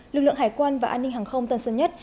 lực lượng hải quan và an ninh hàng không tân sơn nhất